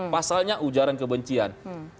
pasalnya ujaran kebencian